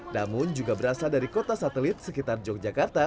namun juga berasal dari kota satelit sekitar yogyakarta